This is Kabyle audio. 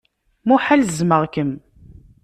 Muḥal zzmeɣ-kem.